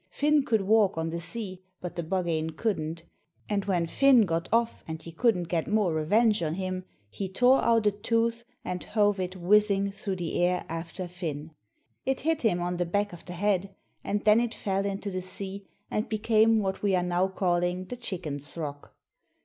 Finn could walk on the sea, but the Buggane couldn'; and when Finn got off and he couldn' get more revenge on him, he tore out a tooth and hove it whizzing through the air after Finn. It hit him on the back of the head, and then it fell into the sea and became what we are now calling the Chickens' Rock.